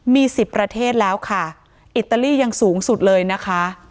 มีสิบประเทศแล้วค่ะอิตาลียังสูงสุดเลยนะคะ